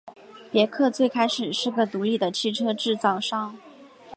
别克最开始是个独立的汽车制造商。